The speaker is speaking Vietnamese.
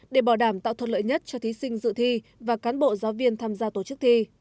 để bảo đảm tạo thuận lợi nhất cho thí sinh dự thi và cán bộ giáo viên tham gia tổ chức thi